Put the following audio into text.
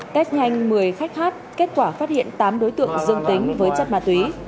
test nhanh một mươi khách hát kết quả phát hiện tám đối tượng dương tính với chất ma túy